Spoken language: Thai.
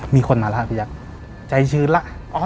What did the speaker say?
มีคนมาแล้วครับพี่แจ๊คใจชื้นแล้ว